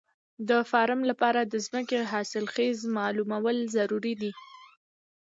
د فارم لپاره د ځمکې حاصلخېزي معلومول ضروري دي.